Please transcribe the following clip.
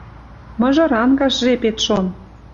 Мыжырангаш жепет шон».